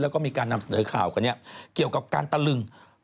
แล้วก็มีการนำเสนอข่าวกันเนี่ยเกี่ยวกับการตะลึง